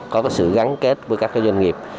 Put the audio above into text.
có cái sự gắn kết với các cái doanh nghiệp